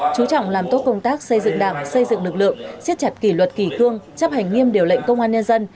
chú trọng làm tốt công tác xây dựng đảng xây dựng lực lượng siết chặt kỷ luật kỳ cương chấp hành nghiêm điều lệnh công an nhân dân